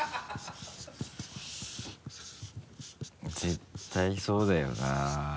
絶対そうだよな。